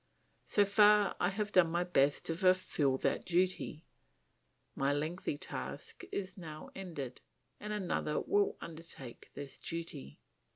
So far I have done my best to fulfil that duty; my lengthy task is now ended, and another will undertake this duty.